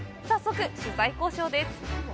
早速、取材交渉です！